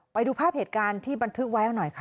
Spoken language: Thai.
ไปดูภาพเหตุการณ์ที่บันทึกไว้หน่อยค่ะ